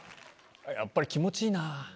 やっぱり気持ちいいな。